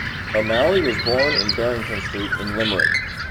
O'Malley was born in Barrington Street in Limerick.